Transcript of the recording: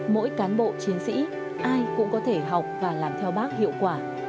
mỗi cán bộ chiến sĩ ai cũng có thể học và làm theo bác hiệu quả